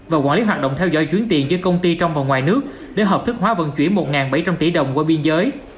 và quản lý hoạt động theo dõi chuyến tiền giữa công ty trong và ngoài nước để hợp thức hóa vận chuyển một bảy trăm linh tỷ đồng qua biên giới